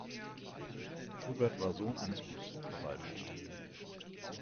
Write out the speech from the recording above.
Schubert war Sohn eines Gutsverwalters.